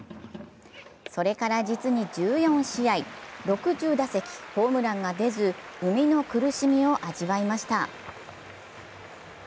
それから実に１４試合、６０打席ホームランが出ず産みの苦しみを味わいました。